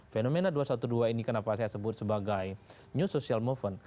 fenomena dua ratus dua belas ini kenapa saya sebut sebagai new social movement